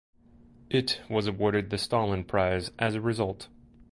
It was awarded the Stalin Prize as result.